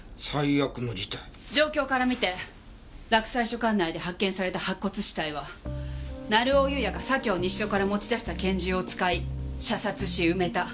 状況から見て洛西署管内で発見された白骨死体は成尾優也が左京西署から持ち出した拳銃を使い射殺し埋めた。